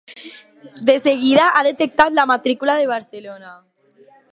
De seguida ha detectat la matrícula de Barcelona.